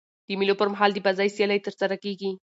د مېلو پر مهال د بازۍ سیالۍ ترسره کیږي.